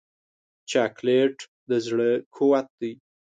چاکلېټ د زړه قوت دی.